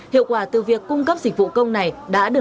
hiệu quả từ việc cung cấp dịch vụ công này đã được